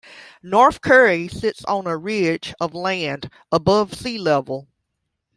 North Curry sits on a ridge of land, above sea level.